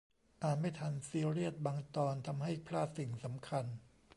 อ่านไม่ทัน ซีเรียส บางตอนทำให้พลาดสิ่งสำคัญ